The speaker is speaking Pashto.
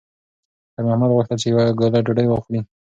خیر محمد غوښتل چې یوه ګوله ډوډۍ واخلي.